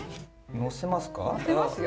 載せますよ。